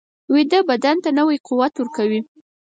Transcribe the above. ویده بدن ته نوی قوت ورکوي